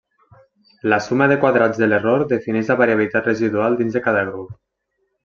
La suma de quadrats de l'error defineix la variabilitat residual dins de cada grup.